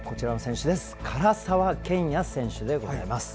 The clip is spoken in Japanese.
唐澤剣也選手でございます。